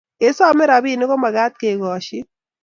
kesamei ropinik komakat kekashin